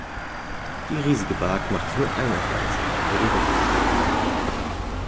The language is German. Die riesige Bark machte nur eine Reise, ihre Jungfernfahrt.